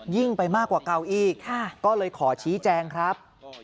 ยิ่งไปมากกว่าเก่าอีกก็เลยขอชี้แจงครับ